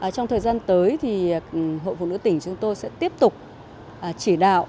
trong thời gian tới thì hội phụ nữ tỉnh chúng tôi sẽ tiếp tục chỉ đạo